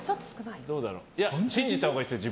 信じたほうがいいですよ